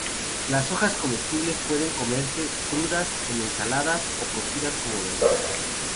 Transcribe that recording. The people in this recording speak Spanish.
Las hojas comestibles pueden comerse crudas en ensaladas o cocidas como verdura.